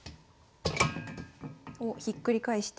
おっひっくり返して。